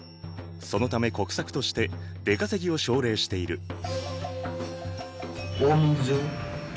そのため国策として出稼ぎを奨励している。